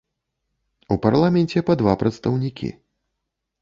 У парламенце па два прадстаўнікі.